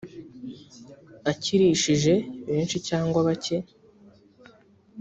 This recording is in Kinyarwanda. akirishije benshi cyangwa bake